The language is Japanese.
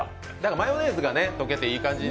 マヨネーズが溶けていい感じに。